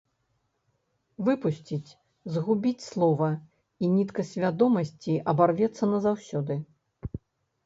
Выпусціць, згубіць слова, і нітка свядомасці абарвецца назаўсёды.